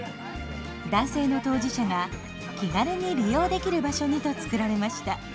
男性の当事者が気軽に利用できる場所にと作られました。